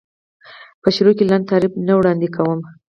په پیل کې لنډ تعریف نه وړاندې کوم.